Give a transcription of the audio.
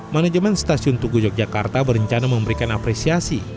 manajemen stasiun tugu yogyakarta berencana memberikan apresiasi